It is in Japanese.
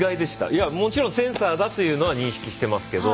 いやもちろんセンサーだというのは認識してますけど。